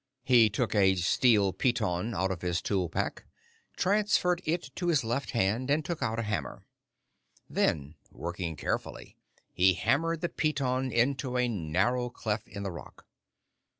He took a steel piton out of his tool pack, transferred it to his left hand, and took out a hammer. Then, working carefully, he hammered the piton into a narrow cleft in the rock.